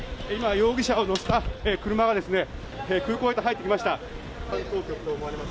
容疑者を乗せた車が空港へと入っていきました。